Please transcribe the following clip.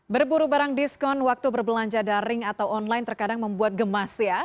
berburu barang diskon waktu berbelanja daring atau online terkadang membuat gemas ya